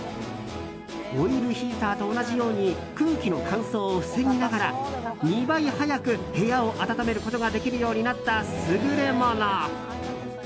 オイルヒーターと同じように空気の乾燥を防ぎながら２倍速く部屋を暖めることができるようになった優れもの。